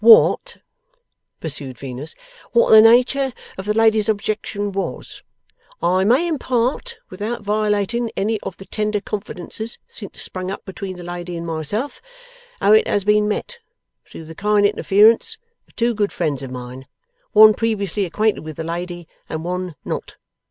' What,' pursued Venus, 'what the nature of the lady's objection was, I may impart, without violating any of the tender confidences since sprung up between the lady and myself, how it has been met, through the kind interference of two good friends of mine: one, previously acquainted with the lady: and one, not.